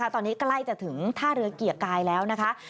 ตอนนี้ใกล้จะถึงท่าเรือเกียรติกายแล้วนะคะ